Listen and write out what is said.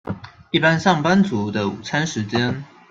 一般上班族的午餐時間